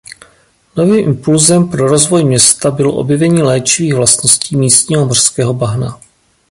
Novým impulsem pro rozvoj města bylo objevení léčivých vlastností místního mořského bahna.